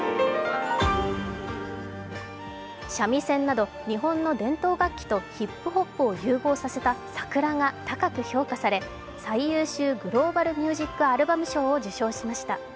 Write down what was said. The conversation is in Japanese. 三味線など日本の伝統楽器とヒップホップを融合させた「ＳＡＫＵＲＡ」が高く評価され最優秀グローバル・ミュージック・アルバム賞を受賞しました。